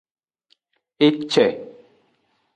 Ece.